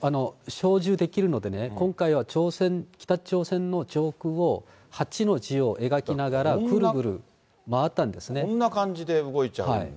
操縦できるのでね、今回は北朝鮮の上空を八の字を描きながら、ぐるぐる回ったんですこんな感じで動いちゃうんで。